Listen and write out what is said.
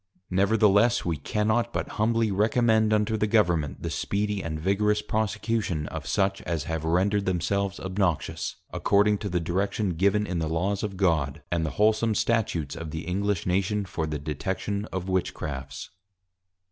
_Nevertheless, We cannot but humbly recommend unto the Government, the speedy and vigorous Prosecution of such as have rendered themselves obnoxious, according to the Direction given in the Laws of God, and the wholesome Statutes of the +English+ Nation, for the Detection of Witchcrafts.